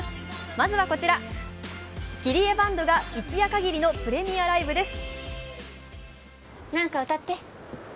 まずはこちら、キリエバンドが一夜限りのプレミアライブです。